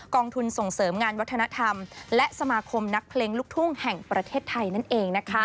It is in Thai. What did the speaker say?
องทุนส่งเสริมงานวัฒนธรรมและสมาคมนักเพลงลูกทุ่งแห่งประเทศไทยนั่นเอง